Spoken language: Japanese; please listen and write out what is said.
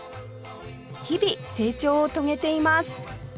日々成長を遂げています